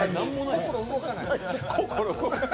心動かない。